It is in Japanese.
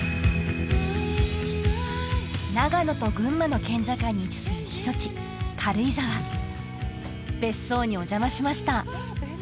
長野と群馬の県境に位置する避暑地軽井沢別荘にお邪魔しました